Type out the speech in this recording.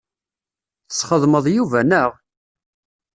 Tesxedmeḍ Yuba, naɣ?